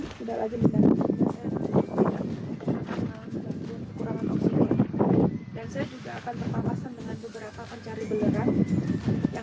sudah lagi mendatang dan saya akan lanjutkan pendakian